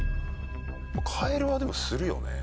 カエルはでもするよね。